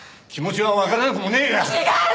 気持ちはわからなくもねえが。